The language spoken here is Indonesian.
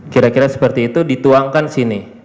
kira kira seperti itu dituangkan sini